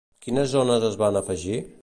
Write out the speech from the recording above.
Quines zones es van afegir?